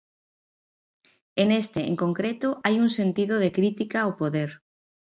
E neste, en concreto, hai un sentido de crítica ao poder.